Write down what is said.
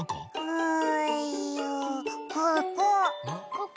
ここ？